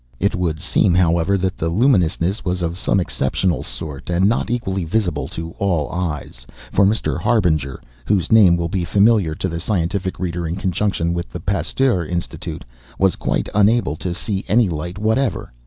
It would seem, however, that the luminousness was of some exceptional sort, and not equally visible to all eyes; for Mr. Harbinger whose name will be familiar to the scientific reader in connection with the Pasteur Institute was quite unable to see any light whatever.